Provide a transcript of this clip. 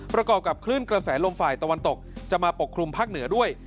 ประกอบกับคลื่นกระแสลมฝ่ายตะวันตกจะมาปกคลุมภาคเหนือด้วย